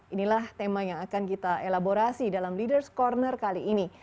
inilah tema yang akan kita elaborasi dalam ⁇ leaders corner kali ini